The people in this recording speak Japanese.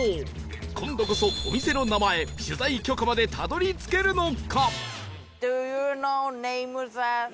今度こそお店の名前取材許可までたどり着けるのか？